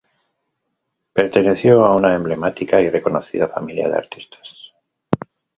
Perteneció a una emblemática y reconocida familia de artistas.